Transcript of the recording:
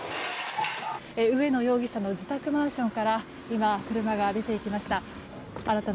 植野容疑者の自宅マンションから今、車が出ていきました。